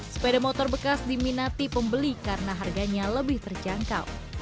sepeda motor bekas diminati pembeli karena harganya lebih terjangkau